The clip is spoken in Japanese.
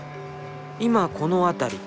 今この辺り。